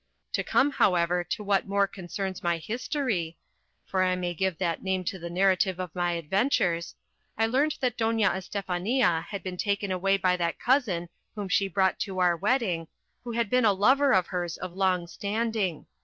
To come, however, to what more concerns my history (for I may give that name to the narrative of my adventures), I learned that Doña Estefania had been taken away by that cousin whom she brought to our wedding, who had been a lover of hers of long standing.